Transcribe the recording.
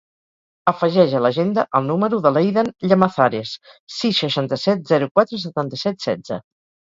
Afegeix a l'agenda el número de l'Eidan Llamazares: sis, seixanta-set, zero, quatre, setanta-set, setze.